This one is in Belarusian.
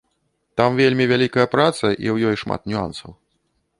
Там вельмі вялікая праца, і ў ёй шмат нюансаў.